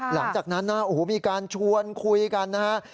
หลังจากนั้นมีการชวนคุยกันนะครับ